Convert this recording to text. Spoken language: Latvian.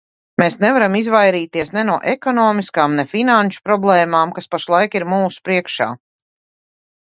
Mēs nevaram izvairīties ne no ekonomiskām, ne finanšu problēmām, kas pašlaik ir mūsu priekšā.